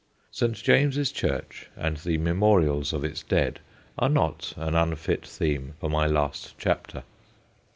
St. James's Church and the memorials of its dead are not an unfit theme for my last chapter.